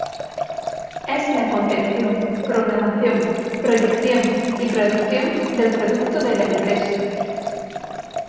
Es la concepción, programación, proyección y producción del Producto de la empresa.